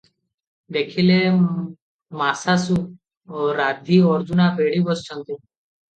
ଦେଖିଲେ ମାଶାଶୁ, ରାଧୀ, ଅର୍ଜୁନା ବେଢ଼ି ବସିଛନ୍ତି ।